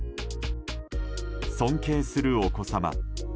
尊敬するお子様。